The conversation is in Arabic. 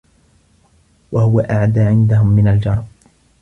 وَهُوَ أَعْدَى عِنْدَهُمْ مِنْ الْجَرَبِ